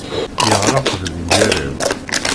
Yeɣreq deg ugaraw.